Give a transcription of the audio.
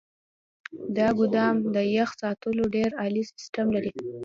دا ګودام د يخ ساتلو ډیر عالي سیستم لري.